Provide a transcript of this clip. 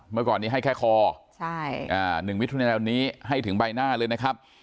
เมื่อก่อนนี้ให้แค่คอ๑มิถุนายนนี้ให้ถึงใบหน้าเลยนะครับ